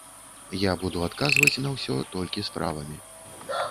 Я буду адказваць на ўсё толькі справамі.